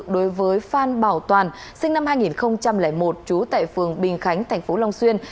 đối với phan bảo toàn sinh năm hai nghìn một trú tại phường bình khánh tp long xuyên